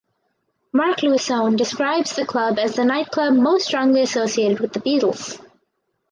Mark Lewisohn describes the club as the nightclub "most strongly associated with The Beatles".